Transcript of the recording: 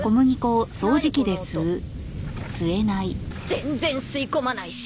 全然吸い込まないし。